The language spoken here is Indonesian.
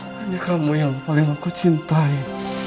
hanya kamu yang paling aku cintai